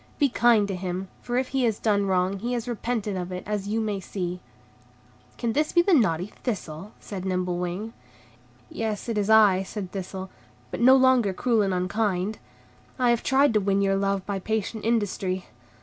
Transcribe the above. Be kind to him, for if he has done wrong, he has repented of it, as you may see." "Can this be naughty Thistle?" said Nimble Wing. "Yes, it is I," said Thistle, "but no longer cruel and unkind. I have tried to win your love by patient industry.